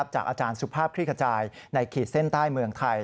จากอาจารย์สุภาพคลิกขจายในขีดเส้นใต้เมืองไทย